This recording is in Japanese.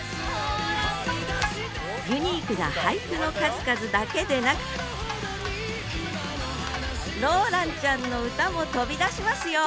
ユニークな俳句の数々だけでなくローランちゃんの歌も飛び出しますよ！